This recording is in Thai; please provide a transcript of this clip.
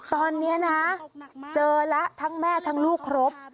ตอนนี้นะเจอแล้วทั้งแม่ทั้งลูกครบ